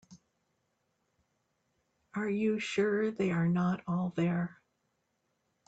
Are you sure they are not all there?